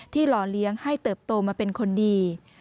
หล่อเลี้ยงให้เติบโตมาเป็นคนดี